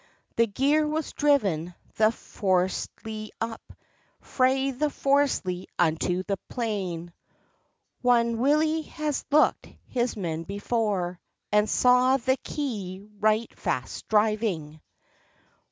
The gear was driven the Frostylee up, Frae the Frostylee unto the plain, Whan Willie has looked his men before, And saw the kye right fast driving.